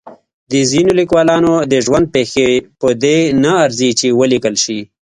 د ځینو لیکوالانو د ژوند پېښې په دې نه ارزي چې ولیکل شي.